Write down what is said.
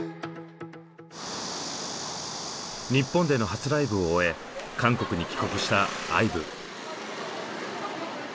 日本での初ライブを終え韓国に帰国したＩＶＥ。